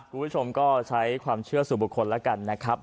คุณผู้ชมก็ใช้ความเชื่อสู่บุคคลแล้วกันนะครับ